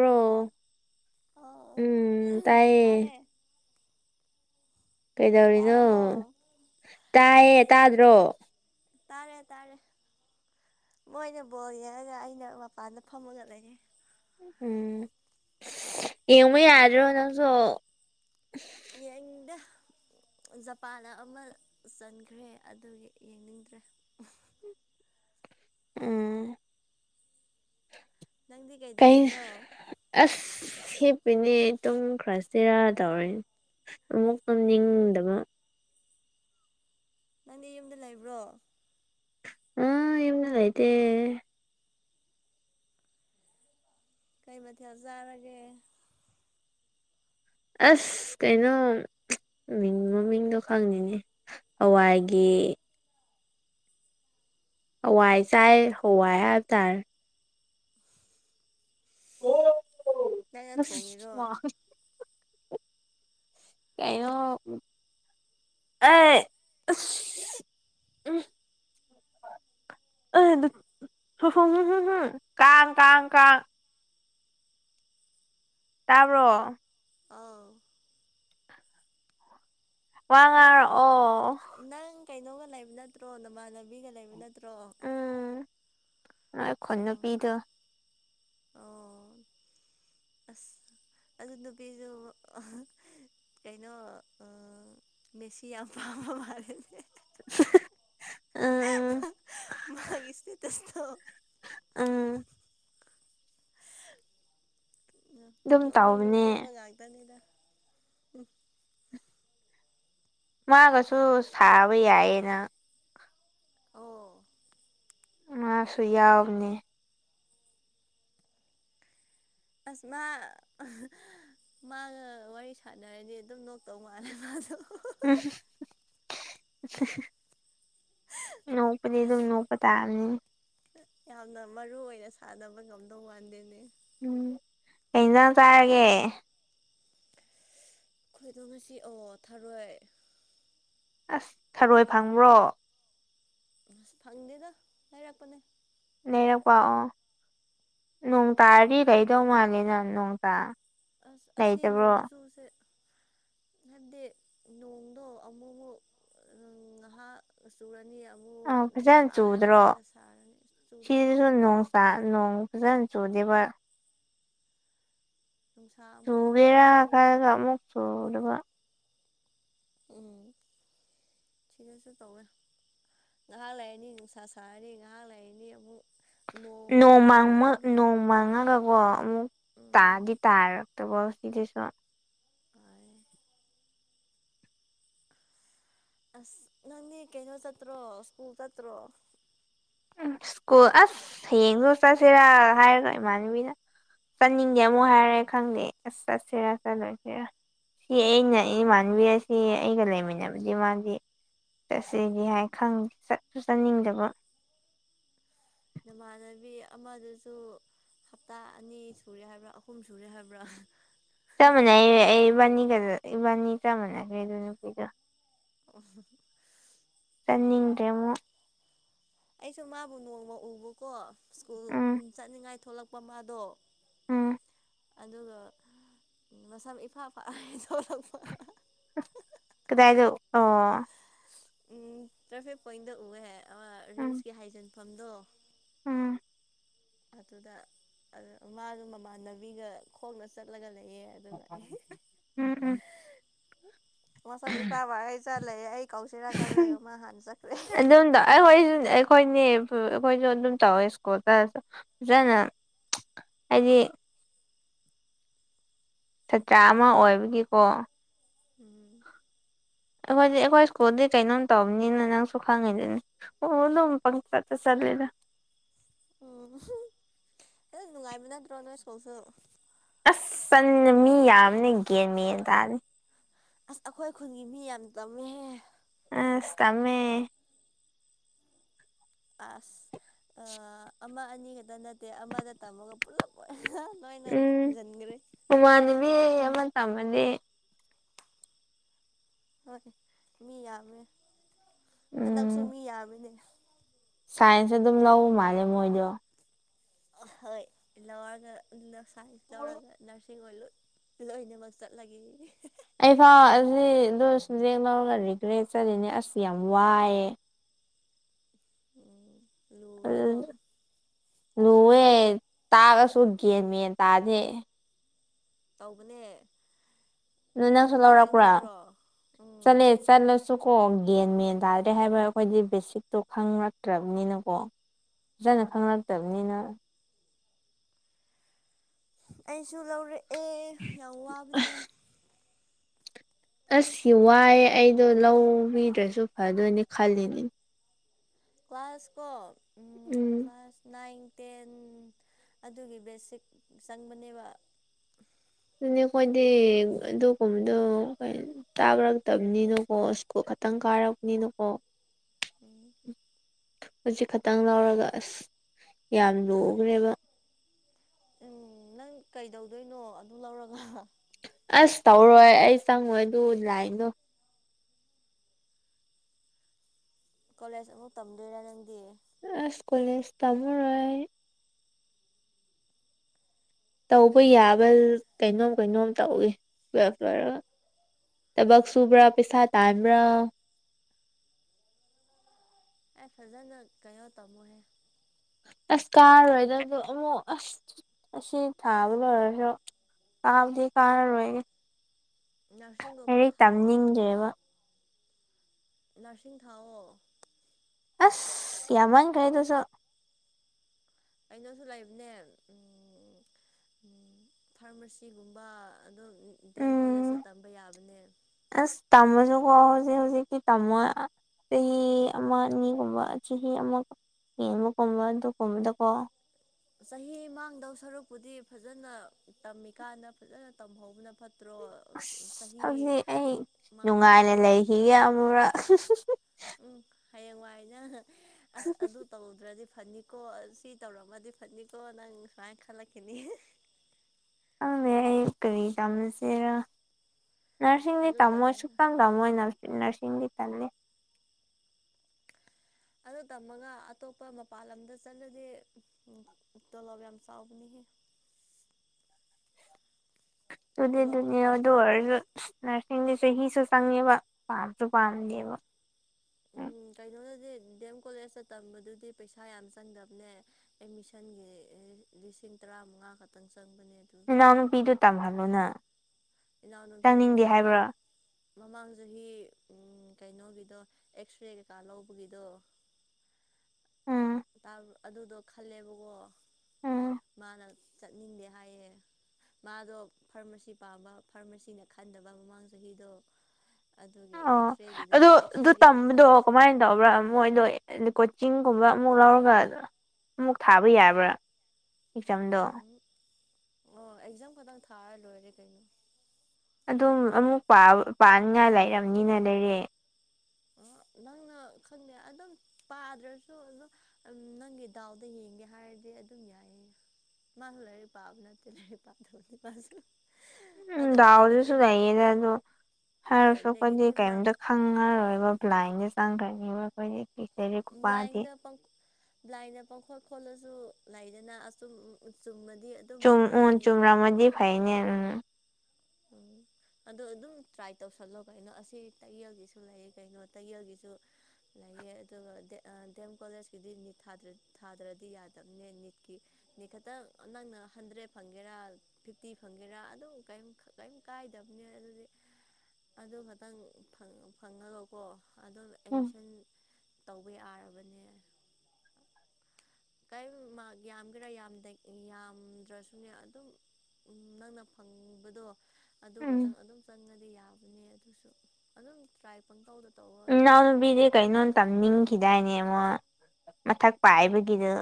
hello ꯑ ꯎꯝ ꯇꯥꯏꯌꯦ ꯇꯥꯔꯦ ꯀꯩꯗꯧꯔꯤꯅꯣ ꯇꯥꯔꯕꯣ ꯇꯥꯏꯌꯦ ꯑꯁ ꯇꯥꯗ꯭ꯔꯣ ꯇꯥꯔꯦ ꯇꯥꯔꯦ ꯃꯣꯏꯅ ꯕꯣꯟ ꯌꯦꯡꯔꯒ ꯑꯩꯅ ꯃꯄꯥꯟꯗ ꯐꯝꯃꯒ ꯂꯩꯔꯦ ꯎꯝ ꯌꯦꯡꯕ ꯌꯥꯗ꯭ꯔꯣ ꯅꯪꯁꯨ ꯌꯦꯡꯅꯤꯡꯗꯦ ꯖꯄꯥꯟꯅ ꯑꯃ ꯆꯟꯈ꯭ꯔꯦ ꯑꯗꯨꯒꯤ ꯌꯦꯡꯅꯤꯡꯗ꯭ꯔꯦ ꯎꯝ ꯅꯪꯗꯤ ꯀꯩ ꯀꯩꯗꯧꯔꯤꯅꯣ ꯑꯁ ꯁꯤꯠ ꯑꯩꯅꯦ ꯇꯨꯝꯈ꯭ꯔꯁꯤꯔꯥ ꯇꯧꯔꯦ ꯑꯃꯨꯛ ꯎꯝ ꯇꯨꯝꯅꯤꯡꯗꯕ ꯅꯪꯗꯤ ꯌꯨꯝꯗ ꯂꯩꯕ꯭ꯔꯣ ꯑꯥ ꯌꯨꯝꯗ ꯂꯩꯇꯦ ꯀꯩ ꯃꯊꯦꯜ ꯆꯥꯔꯒꯦ ꯑꯁ ꯀꯩꯅꯣꯝ ꯆꯞ ꯃꯤꯡ ꯃꯃꯤꯡꯗꯣ ꯈꯪꯗꯦꯅꯦ ꯍꯋꯥꯏꯒꯤ ꯍꯋꯥꯏ ꯆꯥꯏ ꯍꯋꯥꯏ ꯍꯥꯏꯕ ꯇꯥꯔꯦ ꯑꯣꯍꯣ ꯅꯪꯅ ꯑꯁ ꯊꯣꯡꯉꯤꯔꯣ ꯋꯥ ꯀꯩꯅꯣ ꯑꯩ ꯑꯁ ꯎꯝ ꯑ ꯗꯨ [unintelligible] ꯀꯥꯡ ꯀꯥꯡ ꯀꯥꯡ ꯇꯥꯕ꯭ꯔꯣ ꯑꯧ ꯋꯥ ꯅꯪ ꯉꯥꯡꯉꯛ ꯑꯣ ꯅꯪ ꯀꯩꯅꯣꯒ ꯂꯩꯕ ꯅꯠꯇ꯭ꯔꯣ ꯅꯃꯥꯟꯅꯕꯤꯒ ꯂꯩꯕ ꯅꯠꯇ꯭ꯔꯣ ꯎꯝ ꯑꯩꯈꯨꯟ ꯑꯣ ꯅꯨꯄꯤꯗꯨ ꯑꯣ ꯑꯁ ꯑꯗꯨ ꯅꯨꯄꯤꯗꯨ ꯑꯍ ꯀꯩꯅꯣ ꯑꯥ ꯃꯦꯁꯤ ꯌꯥꯝ ꯄꯥꯝꯕ ꯃꯥꯜꯂꯦꯅꯦ ꯍ ꯍ ꯑꯥ ꯎꯝ ꯃꯥꯒꯤ ꯁꯇꯦꯇꯁ ꯊꯣ ꯎꯝ ꯎꯝ [inaudible] ꯗꯨꯝ ꯅꯣꯛꯅꯤꯡ ꯇꯧꯕꯅꯦ ꯅꯣꯛꯅꯤꯡꯕ [inaudible] ꯃꯥꯒꯁꯨ ꯁꯥꯕ ꯌꯥꯏꯌꯦꯅ ꯑꯣ ꯃꯥꯁꯨ ꯌꯥꯎꯅꯦ ꯑꯁ ꯃꯥ ꯑꯍ ꯃꯥꯒ ꯋꯥꯔꯤ ꯁꯥꯟꯅꯔꯗꯤ ꯑꯗꯨꯝ ꯅꯣꯛꯇꯧ ꯃꯥꯜꯂꯦ ꯃꯥꯗꯣ ꯎꯝ ꯍꯨ ꯍꯨ ꯍꯨ ꯎ ꯍꯦ ꯍꯦ ꯅꯣꯛꯄꯗꯤ ꯑꯗꯨꯝ ꯅꯣꯛꯄ ꯇꯥꯕꯅꯤꯅꯦ ꯌꯥꯝꯅ ꯃꯔꯨ ꯑꯣꯏꯅ ꯁꯥꯟꯅꯕ ꯉꯝꯗꯧ ꯃꯥꯟꯗꯦꯅꯦ ꯎꯝ ꯀꯩ ꯍꯦꯟꯖꯥꯡ ꯆꯥꯔꯒꯦ ꯑꯩꯈꯣꯏꯗꯣ ꯉꯁꯤ ꯑꯣ ꯊꯥꯔꯣꯏ ꯑꯁ ꯊꯔꯣꯏ ꯐꯪꯕ꯭ꯔꯣ ꯑꯁ ꯐꯪꯗꯦꯗ ꯂꯩꯔꯛꯄꯅꯦ ꯂꯩꯔꯛꯄꯥ ꯑꯣ ꯅꯣꯡ ꯇꯥꯔꯗꯤ ꯂꯩꯗꯧ ꯃꯥꯂꯦꯅ ꯅꯣꯡ ꯇꯥ ꯑꯁ ꯑꯁꯤ ꯅꯣꯡ ꯂꯩꯇꯕ꯭ꯔꯣ ꯀꯨꯆꯨꯁꯦ ꯍꯥꯏꯕꯗꯤ ꯅꯣꯡꯗꯣ ꯑꯃꯨꯃꯨꯛ ꯑꯥ ꯉꯍꯥꯛ ꯆꯨꯔꯅꯤ ꯑꯃꯨꯛ ꯑꯥ ꯐꯖꯅ ꯅꯨꯡꯁꯥ ꯌꯥꯝ ꯆꯨꯗ꯭ꯔꯣ ꯀꯟꯅ ꯁꯥꯔꯅꯤ ꯆꯨꯗꯦ ꯁꯤꯗꯁꯨ ꯅꯣꯡ ꯇꯥ ꯅꯣꯡ ꯐꯖ ꯆꯨꯗꯦꯕ ꯅꯨꯡꯁꯥ ꯑꯃꯨꯛ ꯆꯨꯕꯦꯔꯑ ꯀ ꯊꯣꯛꯑꯅꯤ ꯀꯃꯨ ꯆꯣꯕ [unintelligible] ꯎꯝ ꯁꯤꯗꯁꯨ ꯇꯧꯋꯦ ꯉꯥꯏꯍꯥꯛ ꯂꯩꯔꯅꯤ ꯅꯨꯡꯁꯥ ꯁꯥꯔꯅꯤ ꯉꯥꯏꯍꯥꯛ ꯂꯩꯔꯅꯤ ꯑꯃꯨꯛ ꯅꯣꯡ ꯃꯪꯕ ꯅꯣꯡꯃꯥꯡꯉꯒꯀꯣ ꯑꯃꯨꯛ ꯇꯥꯗꯤ ꯎꯝ ꯇꯥꯔꯛꯇꯕꯁ ꯁꯤꯗꯤꯁ [unintelligible] ꯑꯁ ꯅꯪꯗꯤ ꯀꯩꯅꯣ ꯆꯠꯇ꯭ꯔꯣ ꯁ꯭ꯀꯨꯜ ꯆꯠꯇ꯭ꯔꯣ ꯎꯝ ꯁ꯭ꯀꯨꯜ ꯑꯁ ꯍꯌꯦꯡꯗꯣ ꯆꯠꯁꯤꯔꯥ ꯍꯥꯏꯔꯒ ꯏꯃꯥꯟꯅꯕꯤꯅ ꯆꯠꯅꯤꯡꯗꯦ ꯑꯃꯨꯛ ꯍꯥꯏꯔꯦ ꯈꯪꯗꯦ ꯑꯁ ꯆꯠꯁꯤꯔ ꯆꯠꯂꯣꯏꯁꯤꯔ ꯁꯤ ꯑꯩꯅ ꯏ ꯃꯥꯟꯕꯤ ꯑꯁꯤ ꯑꯩꯒ ꯂꯩꯃꯤꯟꯅꯕꯗꯤ ꯃꯥꯗꯤ ꯆꯠꯁꯤꯗꯤ ꯍꯥꯏ ꯈꯪ ꯆꯠꯁꯨ ꯆꯠꯅꯤꯡꯗꯕ ꯅꯃꯥꯟꯅꯕꯤ ꯑꯃꯗꯨꯁꯨ ꯍꯞꯇꯥ ꯑꯅꯤ ꯁꯨꯔꯦ ꯍꯥꯏꯕ꯭ꯔꯥ ꯑꯍꯨꯝ ꯁꯨꯔꯦ ꯍꯥꯏꯕ꯭ꯔꯥ ꯆꯞ ꯃꯥꯟꯅꯩ ꯑꯩ ꯏꯕꯥꯅꯤꯒ ꯏꯕꯥꯅꯤ ꯆꯞ ꯃꯥꯟꯅꯈ꯭ꯔꯦꯗ ꯑꯗꯨ ꯅꯨꯄꯤꯗꯣ ꯎ [inaudible] ꯐꯠꯅꯤꯡꯗꯔꯦ ꯃꯨꯛ ꯑꯩꯁꯨ ꯃꯥꯕꯨ ꯅꯣꯡꯃ ꯎꯕꯀꯣ ꯁ꯭ꯀꯨꯜ ꯎꯝ ꯆꯠꯅꯤꯡꯉꯥꯏ ꯊꯣꯛꯂꯛꯄ ꯃꯥꯗꯣ ꯎꯝ ꯑꯗꯨꯒ ꯃꯁꯝ ꯏꯐꯥ ꯄꯥꯛ ꯊꯣꯛꯂꯛꯄ ꯀꯗꯥꯏꯗ ꯎꯕꯅꯣ ꯎꯝ ꯇ꯭ꯔꯥꯐꯤꯛ ꯄꯣꯏꯟꯗ ꯎꯑꯦ ꯎꯝ ꯔꯤꯝꯁꯀꯤ ꯍꯥꯏꯖꯤꯟꯐꯝꯗꯣ ꯎꯝ ꯑꯗꯨꯗ ꯃꯥꯗ ꯃꯃꯥꯟꯅꯕꯤꯒ ꯈꯣꯡꯅ ꯆꯠꯂꯒ ꯂꯩ ꯎꯝ ꯎꯝ ꯃꯁꯝ ꯏꯐꯥ ꯐꯥ ꯒꯩ ꯆꯠꯂꯩ ꯑꯩ ꯀꯥꯎꯁꯦꯔꯥꯒꯜꯂ ꯃꯥ ꯍꯥꯟꯅ ꯆꯠꯈ꯭ꯔꯦ ꯑꯗꯨꯝꯗ ꯑꯩꯈꯣꯏꯁꯨ ꯑꯩꯈꯣꯏꯅꯦ ꯑꯩꯈꯣꯏꯁꯨ ꯑꯗꯨꯝ ꯇꯧꯋꯦ ꯁ꯭ꯀꯨꯜꯇꯁꯨ ꯐꯖꯅ ꯍꯥꯏꯗꯤ ꯁꯥꯇ꯭ꯔꯥ ꯑꯃ ꯑꯣꯏꯕꯒꯤꯀꯣ ꯎꯝ ꯑꯩꯈꯣꯏꯗꯤ ꯑꯩꯈꯣꯏ ꯁ꯭ꯀꯨꯜꯗꯤ ꯀꯩꯅꯣꯝ ꯇꯧꯕꯅꯤꯅ ꯅꯪꯁꯨ ꯈꯪꯉꯤꯗꯅꯦ ꯑꯣ ꯑꯗꯨꯝ ꯄꯪꯆ ꯆꯠꯂꯦꯗ [inaudible] ꯎꯝ ꯍ ꯅꯨꯡꯉꯥꯏꯕ ꯅꯠꯇ꯭ꯔꯣ ꯅꯣꯏ ꯁ꯭ꯀꯨꯜꯁꯨ ꯆꯟꯅ ꯃꯤ ꯌꯥꯝꯅ ꯒꯌꯦꯟꯃꯤ ꯇꯅꯤ ꯑꯁ ꯑꯩꯈꯣꯏ ꯈꯨꯟꯒꯤ ꯃꯤ ꯌꯥꯝ ꯇꯝꯃꯦꯍꯦ ꯑꯁ ꯇꯝꯃꯦ ꯑꯁ ꯑꯃ ꯑꯅꯤ ꯈꯛꯇ ꯅꯠꯇꯦ ꯑꯃꯗ ꯇꯝꯃꯒ ꯄꯨꯂꯞ ꯑꯣꯏꯅ ꯂꯣꯏꯅ ꯎꯝ ꯊꯣꯝꯖꯤꯟꯈ꯭ꯔꯦ ꯎꯃꯥꯟꯅꯕꯤ ꯑꯃ ꯇꯝꯃꯅꯦ ꯍꯣꯏ ꯃꯤ ꯌꯥꯝꯃꯦ ꯍꯟꯗꯛꯁꯨ ꯎꯝ ꯃꯤ ꯌꯥꯝꯃꯤꯅꯦ ꯁꯥꯏꯟꯁ ꯑꯗꯨꯝ ꯂꯧ ꯃꯥꯜꯂꯦ ꯃꯣꯏꯗꯣ ꯍꯣꯏ ꯂꯋꯥꯔꯒ ꯑꯗꯨꯅ ꯁꯥꯏꯟꯁ ꯂꯧꯔꯒ ꯅꯔꯁ ꯂꯣꯏꯅꯃꯛ ꯆꯠꯂꯒꯦ ꯑꯩꯐꯥꯎ ꯑꯁꯤꯗ ꯁꯨꯝꯖꯦꯡ ꯂꯧꯔꯒ ꯔꯤꯒ꯭ꯔꯦꯠ ꯆꯠꯔꯤꯅꯦ ꯑꯁ ꯌꯥꯝ ꯋꯥꯏꯑꯦ ꯎꯝ ꯑ ꯂꯨꯋꯦꯀꯣ [inaudible] ꯂꯨꯑꯦ ꯇꯥꯒꯁꯨ ꯒꯦꯟ ꯃꯦꯟ ꯇꯥꯥꯗꯦ ꯇꯧꯕꯅꯦ ꯅ ꯅꯪ ꯁꯨ ꯀꯣꯆꯤꯡ ꯂꯧꯔꯛꯄꯔꯣ ꯆꯠꯇ꯭ꯔꯣ ꯎꯝ ꯆꯠꯂꯦ ꯆꯠꯂꯁꯨ ꯀꯣ ꯒꯟ ꯃꯦꯟ ꯇꯥꯗ꯭ꯔꯦ ꯍꯥꯏꯕ ꯑꯩꯈꯣꯏꯗꯤ ꯕꯦꯁꯤꯛꯇꯣ ꯈꯪꯔꯛꯇ꯭ꯔꯕꯅꯤꯅꯀꯣ ꯐꯖꯅ ꯎꯝ ꯈꯪꯅꯔꯛꯇꯕꯅꯤꯅ ꯑꯩꯁꯨ ꯂꯧꯔꯛꯑꯦ ꯌꯥꯝ ꯋꯥꯕꯅꯦ ꯑꯁ ꯋꯥꯏꯌꯦ ꯑꯩꯗꯣ ꯂꯧꯕꯤꯗ꯭ꯔꯁꯨ ꯐꯗꯣꯏꯅꯤ ꯈꯜꯂꯤꯅꯤ ꯋꯥꯥꯔꯁꯨꯀꯣ ꯎꯝ ꯅꯥꯏꯟ ꯇꯦꯟ ꯑꯗꯨꯒꯤ ꯕꯦꯁꯤꯛ ꯆꯪꯕꯅꯦꯕ ꯑꯗꯨꯅꯦ ꯑꯩꯈꯣꯏꯗꯤ ꯑꯗꯨꯒꯨꯝꯕꯗꯣ ꯇꯥꯕꯔꯛꯇꯕꯅꯤꯅꯀꯣ ꯁꯀꯨꯜ ꯈꯇꯪ ꯒꯥꯔꯒꯅꯤꯅ ꯀꯣ ꯎꯝ ꯍꯧꯖꯤꯛ ꯈꯛꯇꯪ ꯂꯧꯔꯒ ꯑꯁ ꯌꯥꯝ ꯂꯨꯒ꯭ꯔꯦꯕ ꯎꯝ ꯅꯪ ꯀꯩꯗꯧꯗꯣꯏꯅꯣ ꯑꯗꯨ ꯂꯧꯔꯒ ꯑꯁ ꯇꯧꯔꯣꯏ ꯑꯩ ꯆꯪꯉꯣꯏ ꯑꯗꯨ ꯂꯥꯏꯟꯗꯣ ꯀꯣꯂꯦꯖ ꯑꯃꯨꯛ ꯇꯝꯗꯣꯏꯔꯥ ꯅꯪꯗꯤ ꯑ ꯏꯁ ꯀꯣꯂꯦꯖ ꯇꯃꯔꯣꯏ ꯇꯧꯕ ꯀꯩꯗꯧꯔꯒ ꯌꯥꯕ ꯂꯩ ꯀꯩꯅꯣꯝ ꯀꯩꯅꯣꯝ ꯇꯧꯋꯦ ꯇꯨꯑꯦꯞ ꯂꯣꯏꯔ ꯊꯕꯛ ꯁꯨꯕ꯭ꯔꯥ ꯄꯩꯁꯥ ꯇꯥꯟꯕ꯭ꯔꯥ ꯑꯦ ꯐꯖꯅ ꯀꯣꯅꯣ ꯇꯃꯣꯍꯦ ꯑꯁ ꯀꯥꯔꯣꯏꯗ ꯑꯗꯨ ꯑꯃꯨꯛ ꯑꯁ ꯑꯁꯤ ꯊꯥꯕ ꯂꯣꯏꯔꯁꯨ ꯀꯥꯕꯗꯤ ꯀꯥꯔꯔꯣꯏ ꯅꯔꯁꯤꯡꯒꯨꯝꯕ ꯂꯩꯔꯤꯛ ꯊꯥꯎꯑꯣ ꯇꯝꯅꯤꯡꯗꯦꯕ ꯅꯔꯁꯤꯡ ꯊꯥꯎꯑꯣ ꯑꯁ ꯌꯥꯃꯟꯈ꯭ꯔꯦ ꯑꯗꯨꯁꯨ ꯑꯩꯅꯁꯨ ꯂꯩꯕꯅꯦ ꯎꯝ ꯐꯥꯔꯃꯥꯁꯤꯒꯨꯝꯕ ꯑꯗꯨꯝ ꯗꯦꯝ ꯎꯝ ꯀꯣꯂꯦꯖꯇ ꯇꯝꯕ ꯌꯥꯕꯅꯦ ꯑꯁ ꯇꯝꯃꯁꯨꯀꯣ ꯍꯧꯖꯤꯛ ꯍꯧꯖꯤꯛꯇꯤ ꯇꯝꯃꯣꯏ ꯆꯍꯤ ꯑꯃꯥ ꯑꯅꯤ ꯒꯨꯝꯕ ꯆꯍꯤ ꯑꯃ ꯌꯦꯡꯕꯨ ꯀꯝꯕ ꯇ ꯀꯝꯗꯀꯣ [unintelligible] ꯆꯍꯤ ꯃꯥꯡꯗꯧ ꯁꯔꯨꯛꯄꯨꯗꯤ ꯐꯖꯅ ꯇꯝꯃꯤꯀꯥꯟꯗ ꯐꯖꯅ ꯇꯝꯍꯧꯕꯅ ꯐꯠꯇ꯭ꯔꯣ ꯑꯁ ꯆꯍꯤ ꯍꯧꯖꯤꯛ ꯑꯩ ꯅꯨꯡꯉꯥꯏꯅ ꯃꯥꯡꯍꯟꯕꯗꯣ ꯂꯩꯈꯤꯒꯦ ꯄꯥꯝꯃꯨꯗ꯭ꯔꯣ ꯑꯃꯨꯔꯛ [inaudible] ꯍꯌꯦꯡꯋꯥꯏ ꯅꯪ ꯑꯁ ꯑꯗꯨ ꯇꯧꯗ꯭ꯔꯗꯤ ꯐꯅꯤꯀꯣ ꯁꯤ ꯇꯧꯔꯝꯃꯗꯤ ꯐꯅꯤꯀꯣ ꯅꯪ ꯁꯨꯃꯥꯏ ꯈꯂꯛꯈꯤꯅꯤ ꯈꯪꯗꯦ ꯑꯩ ꯀꯔꯤ ꯇꯃꯁꯤꯔ ꯅꯔꯁꯤꯡꯗꯤ ꯑꯗꯨ ꯇꯝꯃꯣꯏ ꯇꯧꯔꯒ ꯁꯨꯛꯇꯝ ꯇꯝꯃꯣꯏ ꯅꯔꯁ ꯅꯔꯁꯤꯡꯗꯤ ꯇꯝꯅꯤꯡ ꯑꯗꯨ ꯇꯝꯃꯒ ꯑꯇꯣꯞꯄ ꯃꯄꯥꯟ ꯂꯝꯗ ꯆꯠꯂꯗꯤ ꯎꯝ ꯇꯣꯂꯣꯞ ꯌꯥꯝ ꯆꯥꯎꯕꯅꯤ [inaudible] ꯑꯗꯨꯗꯦ ꯑꯗꯨꯅꯦ ꯇꯣꯂꯣꯞꯇꯣ ꯑꯗꯨ ꯑꯣꯏꯔꯁꯨ ꯅꯔꯁꯤꯡꯗꯤ ꯆꯍꯤꯁꯨ ꯆꯪꯉꯦꯕ ꯄꯥꯝꯁꯨ ꯄꯥꯝꯗꯦꯕ ꯎꯝ ꯀꯩꯅꯣꯗꯗꯤ ꯗꯦꯝ ꯀꯣꯂꯦꯖꯇ ꯇꯝꯕꯗꯨꯗꯤ ꯄꯩꯁꯥ ꯌꯥꯝ ꯆꯪꯗꯕꯅꯦ ꯑꯦꯠꯃꯤꯁꯟꯒꯤ ꯂꯤꯁꯤꯡ ꯇꯔꯃꯉ ꯈꯛꯇꯪ ꯆꯪꯕꯅꯦ ꯑꯗꯨꯒꯤ ꯏꯅꯥꯎꯅꯨꯄꯤꯗ ꯇꯝꯍꯜꯂꯣꯅꯅ ꯏꯅꯥꯎꯅꯨꯄꯤꯗꯣ ꯃꯃꯥꯡ ꯃꯃꯥꯡ ꯆꯍꯤ ꯎꯝ ꯀꯩꯅꯣꯒꯤꯗꯣ ꯑꯦꯛꯁ ꯔꯦ ꯀꯩꯀꯥ ꯂꯧꯕꯒꯤꯗꯣ [inaudible] ꯑꯗꯨꯗꯣ ꯈꯜꯂꯦꯕꯀꯣ ꯎꯝ ꯃꯥꯅ ꯆꯠꯅꯤꯡꯗꯦ ꯍꯥꯏꯌꯦ ꯃꯥꯗꯣ ꯐꯥꯔꯃꯥꯁꯤ ꯄꯥꯝꯕ ꯐꯥꯔꯃꯥꯁꯤꯅ ꯈꯟꯗꯕ ꯃꯃꯥꯡ ꯆꯍꯤꯗꯣ ꯑꯗꯨꯒꯤ ꯑꯣ ꯑꯦꯛꯁꯔꯦꯒꯤꯗꯨ ꯑꯗꯨ ꯑꯗꯨ ꯑꯦꯛꯁꯔꯦꯒꯤꯗꯨ ꯇꯝꯕꯗꯣ ꯈꯜꯂꯁꯨ ꯀꯃꯥꯏꯅ ꯇꯧꯕ꯭ꯔꯥ ꯃꯣꯏꯗꯣ ꯀꯣꯆꯤꯡꯒꯨꯝꯕ ꯑꯃꯨꯛ ꯂꯧꯔꯒ ꯑꯃꯨꯛ ꯊꯥꯕ ꯌꯥꯕ꯭ꯔꯥ ꯑꯦꯛꯖꯥꯝꯗꯣ ꯎꯝ ꯑꯣ ꯑꯦꯛꯖꯥꯝ ꯈꯛꯇꯪ ꯊꯥꯔ ꯂꯣꯏꯔꯦ ꯀꯩꯅꯣ ꯑꯗꯨꯝ ꯑꯃꯨꯛ ꯄꯥ ꯄꯥꯅꯤꯡꯉꯥꯏ ꯂꯩꯔꯕꯅꯤꯅ ꯂꯩꯔꯦ [inaudible] ꯅꯪꯅ ꯈꯪꯗꯦ ꯑꯗꯨꯝ ꯄꯥꯗ꯭ꯔꯁꯨ ꯑꯗꯨꯝ ꯅꯪꯒꯤ ꯗꯥꯎꯗ ꯌꯦꯡꯒꯦ ꯍꯥꯏꯔꯗꯤ ꯑꯗꯨꯝ ꯌꯥꯏ [inaudible] ꯃꯥꯁꯨ ꯂꯥꯏꯔꯤꯛ ꯄꯥꯕ ꯅꯠꯇꯦ ꯂꯥꯏꯔꯤꯛ ꯄꯥꯗꯕꯅꯦ ꯃꯥꯁꯨ ꯎꯝ ꯑꯗꯨꯝ ꯗꯥꯎꯗꯁꯨ ꯅꯦꯒꯦꯇꯤꯞ ꯂꯌꯦꯗ ꯑꯗꯣ ꯍꯣꯏ ꯍꯥꯏꯔꯁꯨ ꯈꯣꯏꯗꯤ ꯅꯦꯒꯦꯇꯤꯞ ꯃꯥꯔꯛ ꯀꯦꯝꯇ ꯈꯪꯉꯔꯣꯏꯕ ꯕ꯭ꯂꯥꯏꯟꯗ ꯆꯪꯈ꯭ꯔꯅꯤꯕ ꯑꯩꯈꯣꯏꯗꯤ ꯂꯥꯏꯔꯤꯛ ꯥ ꯈꯨꯄꯥꯗꯤ ꯕ꯭ꯂꯥꯏꯟꯗ ꯄꯪꯈꯣ ꯕ꯭ꯂꯥꯏꯟꯗ ꯄꯪꯈꯣ ꯈꯣꯠꯂ꯭ꯖ ꯗꯨ ꯂꯩꯥꯏꯗꯅ ꯑꯁꯨꯝ ꯆꯨꯝꯃ ꯆꯨꯝ ꯎꯝ ꯆꯨꯝꯔꯥ ꯃꯗꯤ ꯐꯩꯅꯦ ꯎꯝ ꯎꯝ ꯑꯗꯣ ꯑꯗꯨꯝ ꯇ꯭ꯔꯥꯏ ꯇꯧꯁꯜꯂꯣ ꯀꯩꯅꯣ ꯑꯁꯤ ꯇꯌꯦꯜꯒꯤꯁꯨ ꯂꯩ ꯀꯩꯅꯣ ꯇꯌꯦꯜꯒꯤꯁꯨ ꯂꯩꯑꯦ ꯑꯗꯨꯒ ꯗꯦꯝ ꯀꯣꯂꯦꯖꯀꯤꯗꯤ ꯅꯤꯠ ꯊꯥꯗ꯭ꯔꯗꯤ ꯌꯥꯗꯕꯅꯦ ꯅꯤꯠꯀꯤ ꯅꯤꯈꯇꯪ ꯅꯪꯅ ꯍꯟꯗ꯭ꯔꯦꯠ ꯐꯪꯒꯦꯔꯥ ꯐꯤꯐꯇꯤ ꯐꯪꯒꯦꯔꯥ ꯑꯗꯨꯝ ꯀꯔꯤꯝ ꯀꯩꯝ ꯀꯥꯏꯗꯕꯅꯦ ꯑꯗꯨꯗꯤ ꯑꯗꯨ ꯈꯛꯇꯪ ꯐꯪꯉꯅꯕꯀꯣ ꯑꯗꯣ ꯎꯝ ꯑꯦꯠꯃꯤꯁꯟ ꯇꯧꯕ ꯌꯥꯔꯕꯅꯦ ꯀꯩꯝ ꯃꯥꯔꯛ ꯌꯥꯝꯒꯦꯔꯥ ꯌꯥꯝꯗꯩ ꯌꯥꯝꯗ꯭ꯔꯁꯨꯅꯦ ꯑꯗꯨꯝ ꯎꯝ ꯅꯪꯅ ꯐꯪꯕꯗꯣ ꯑꯗꯨ ꯎꯝ ꯈꯇꯪ ꯑꯗꯨꯝ ꯆꯪꯉꯗꯤ ꯌꯥꯕꯅꯦ ꯑꯗꯨꯁꯨ ꯑꯗꯨꯝ ꯇ꯭ꯔꯥꯏ ꯄꯪꯇꯧꯗ ꯇꯧ ꯏꯅꯥꯎꯅꯨꯄꯤꯗꯤ ꯀꯩꯅꯣꯝ ꯇꯝꯅꯤꯡꯈꯤꯗꯥꯏꯅꯦ ꯃꯥ ꯃꯊꯛ ꯄꯥꯏꯕꯒꯤꯗ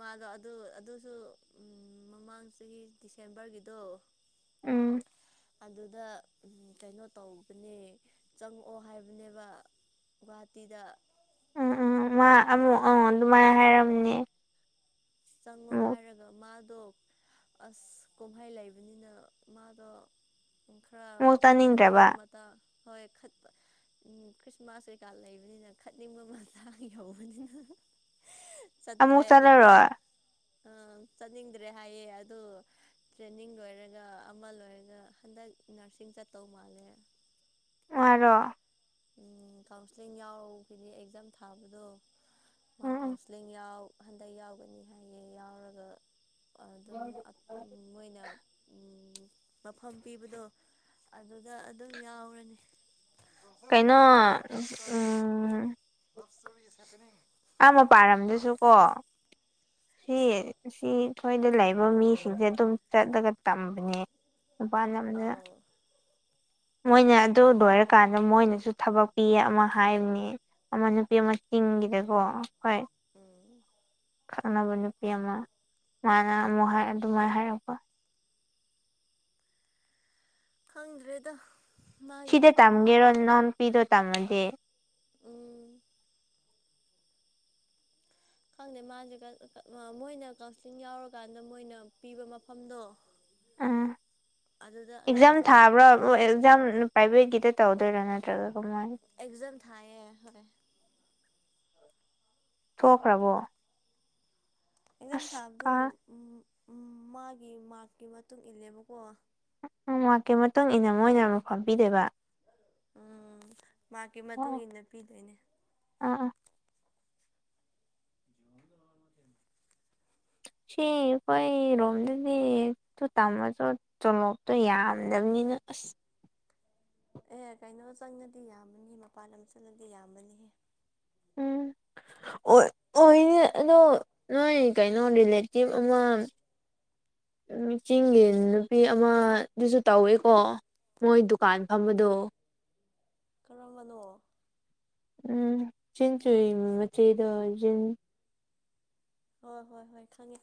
ꯃꯥꯗꯣ ꯑꯗꯨ ꯑꯗꯨꯁꯨ ꯎꯝ ꯃꯃꯥꯡ ꯆꯍꯤ ꯗꯤꯁꯦꯝꯕꯔꯒꯤꯗꯣ ꯎꯝ ꯑꯗꯨꯗ ꯀꯩꯅꯣ ꯇꯧꯕꯅꯦ ꯆꯪꯉꯛꯑꯣ ꯍꯥꯏꯕꯅꯦꯕ ꯒꯨꯍꯥꯇꯤꯗ ꯎꯝ ꯎꯝ ꯃꯥ ꯑꯃꯨꯛ ꯑꯥ ꯑꯗꯨꯃꯥꯏ ꯍꯥꯏꯔꯝꯅꯦ ꯑꯃꯨꯛ ꯑꯗꯣ ꯑꯁ ꯀꯨꯝꯍꯩ ꯂꯩꯕꯅꯤꯅ ꯃꯥꯗꯣ ꯑꯃꯨꯛ ꯈꯔ ꯈꯠꯄ ꯆꯥꯅꯤꯡꯗ꯭ꯔꯕ ꯃꯇꯥꯡ ꯍꯣꯏ ꯈꯠꯄ ꯎꯝ ꯈ꯭ꯔꯤꯁꯃꯥꯁ ꯀꯩꯀꯥ ꯂꯩꯕꯅꯤꯅ ꯈꯠꯅꯤꯡꯕ ꯃꯇꯥꯡ ꯌꯧꯕꯅꯤꯅ ꯑꯃꯨꯛ ꯆꯠꯇ꯭ꯔꯦ ꯑꯗꯨꯗꯁꯨ ꯆꯂꯔꯣꯏ ꯆꯠꯅꯤꯡꯗ꯭ꯔꯦ ꯍꯥꯏꯌꯦ ꯑꯗꯨ ꯇ꯭ꯔꯦꯟꯅꯤꯡ ꯂꯣꯏꯔꯒ ꯑꯃ ꯂꯣꯏꯔꯒ ꯍꯟꯗꯛ ꯅꯔꯁ ꯆꯤꯡ ꯆꯠꯇꯧ ꯃꯥꯜꯂꯦ ꯃꯥꯔꯣ ꯎꯝ ꯀꯥꯎꯟꯁ꯭ꯂꯤꯡ ꯌꯥꯎꯕꯒꯤ ꯑꯦꯛꯖꯥꯝ ꯊꯥꯕꯗꯣ ꯃꯥ ꯎꯝ ꯎꯝ ꯀꯥꯎꯟꯁ꯭ꯂꯤꯡ ꯌꯥꯎ ꯍꯟꯗꯛ ꯌꯥꯎꯒꯅꯤ ꯍꯥꯏꯌꯦ ꯌꯥꯎꯔꯒ ꯑꯗꯨꯝ ꯑꯗ ꯃꯣꯏꯅ ꯎꯝ ꯃꯐꯝ ꯄꯤꯕꯗꯣ ꯑꯗꯨꯗ ꯑꯗꯨꯝ ꯌꯥꯎꯔꯅꯤ ꯂꯞ ꯀꯩꯅꯣ ꯏꯁꯇꯣꯔꯤ ꯎꯝ [unintelligible] ꯑꯥ ꯃꯄꯥꯜꯂꯝꯗꯁꯨ ꯀꯣ ꯁꯤ ꯁꯤ ꯑꯩꯈꯣꯏꯗ ꯂꯩꯕ ꯃꯤꯁꯤꯡꯁꯦ ꯑꯗꯨꯝ ꯆꯠꯂꯒ ꯇꯝꯕꯅꯦ ꯃꯄꯥꯂꯝꯗ ꯑꯥꯎ ꯃꯣꯏꯅ ꯑꯗꯨ ꯂꯣꯏꯔꯀꯥꯟꯗ ꯃꯣꯏꯅꯁꯨ ꯊꯕꯛ ꯄꯤꯌꯦ ꯑꯃ ꯍꯥꯏꯕꯅꯦ ꯑꯃ ꯅꯨꯄꯤ ꯑꯃ ꯇꯤꯡꯒꯤꯗꯀꯣ ꯍꯣꯏ ꯎꯪ ꯈꯡꯅꯕ ꯅꯨꯄꯤ ꯑꯃ ꯃꯥꯅ ꯑꯃꯨꯛ ꯍꯥꯏ ꯑꯗꯨꯃꯥꯏ ꯍꯥꯏꯔꯛꯄ ꯈꯪꯗ꯭ꯔꯦꯗ ꯃꯥꯒꯤ ꯁꯤꯗ ꯑꯄꯥꯝꯕꯅ ꯇꯝꯒꯦꯔꯣ ꯅꯅꯥꯎꯄꯤꯗꯣ ꯇꯝꯃꯗꯤ ꯎꯝ ꯈꯪꯗꯦ ꯃꯥꯖꯦ ꯀ-ꯀ ꯃꯣꯏꯅ ꯀꯥꯎꯟꯁ꯭ꯂꯤꯡ ꯌꯥꯎꯔꯀꯥꯟꯗ ꯃꯣꯏꯅ ꯄꯤꯕ ꯃꯐꯝꯗꯣ ꯎꯝ ꯑꯗꯨꯗ ꯑꯗꯨꯝ ꯑꯦꯛꯖꯥꯝ ꯆꯠꯂꯅꯤ ꯊꯥꯕ꯭ꯔꯥ ꯃꯣꯏ ꯑꯦꯛꯖꯥꯝ ꯄ꯭ꯔꯥꯏꯚꯦꯠꯀꯤꯗ ꯇꯧꯗꯣꯏꯔꯥ ꯅꯠꯇ꯭ꯔꯒ ꯀꯃꯥꯏꯅ ꯑꯦꯛꯖꯝ ꯊꯥꯏꯌꯦ ꯍꯣꯏ ꯊꯣꯛꯈ꯭ꯔꯕꯣ ꯑꯦꯛꯖꯥꯝ ꯑꯁ ꯊꯥꯕꯗꯣ ꯀꯥ ꯎꯝ ꯎꯝ ꯃꯥꯒꯤ ꯃꯥꯔꯛꯀꯤ ꯃꯇꯨꯡ ꯏꯜꯂꯦꯕꯀꯣ ꯃꯥꯔꯛꯀꯤ ꯃꯇꯨꯡ ꯏꯟꯅ ꯃꯣꯏꯅ ꯃꯐꯝ ꯄꯤꯗꯣꯏꯕ ꯎꯝ ꯃꯥꯔꯛꯀꯤ ꯃꯇꯨꯡ ꯑꯣ ꯏꯟꯅ ꯄꯤꯗꯣꯏꯅꯦ ꯑꯥ ꯑꯥ ꯁꯤ ꯑꯩꯈꯣꯏꯔꯣꯝꯗꯗꯤ ꯇꯨ ꯇꯝꯃꯁꯨ ꯇꯣꯂꯣꯞꯇꯣ ꯌꯥꯝꯗꯕꯅꯤ ꯅꯤꯅ ꯑꯁ ꯑꯦ ꯀꯩꯅꯣ ꯆꯪꯉꯗꯤ ꯌꯥꯝꯕꯅꯤ ꯃꯄꯥꯟ ꯂꯝ ꯆꯪꯂꯗꯤ ꯌꯥꯝꯕꯅꯤꯍꯦ ꯎꯝ ꯑꯣꯏ ꯑꯣꯏꯅꯦ ꯑꯗꯣ ꯅꯣꯏ ꯀꯩꯅꯣ ꯔꯤꯂꯦꯇꯤꯞ ꯑꯃ ꯎꯝ ꯆꯤꯡꯒꯤ ꯅꯨꯄꯤ ꯑꯃꯗꯨꯁꯨ ꯇꯧꯋꯦꯀꯣ ꯃꯣꯏ ꯗꯨꯀꯥꯟ ꯐꯝꯕꯗꯣ ꯀꯔꯝꯕꯅꯣ ꯎꯝ ꯆꯤꯟ ꯆꯨꯏ ꯃꯆꯦꯗꯣ ꯆꯤꯟ ꯍꯣꯏ ꯍꯣꯏ ꯍꯣꯏ ꯈꯪꯉꯦ